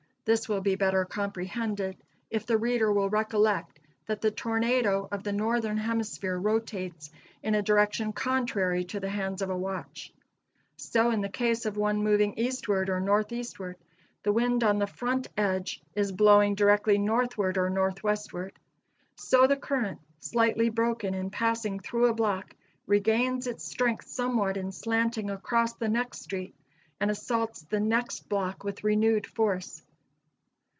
This will be better comprehended if the reader will recollect that the tornado of the northern hemisphere rotates in a direction contrary to the hands of a watch. So in the case of one moving eastward or northeastward, the wind on the front edge is blowing directly northward or northwestward. So the current, slightly broken in passing through a block, regains its strength somewhat in slanting across the next street, and assaults the next block with renewed force.